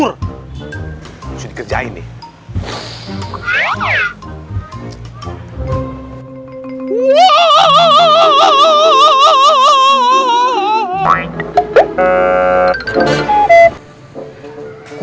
harus dikerjain deh